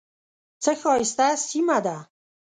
څه ښایسته سیمه ده .